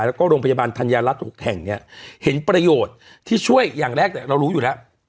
แล้วก็โรงพยาบาลธัญรัฐ๖แห่งเนี่ยเห็นประโยชน์ที่ช่วยอย่างแรกเรารู้อยู่แล้ว